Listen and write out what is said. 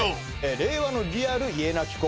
「令和のリアル家なき子」